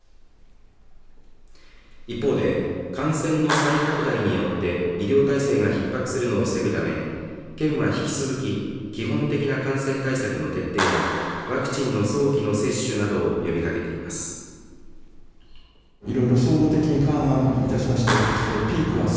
一方で感染の再拡大によって医療体制がひっ迫するのを防ぐため県は引き続き、基本的な感染対策の徹底やワクチンの早期の接種などを呼びかけています。